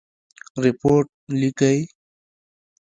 رپوټ لیکئ؟